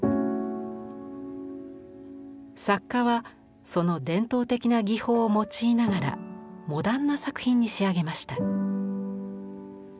作家はその伝統的な技法を用いながらモダンな作品に仕上げました。